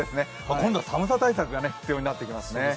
今度は寒さ対策が必要になってくるんですよね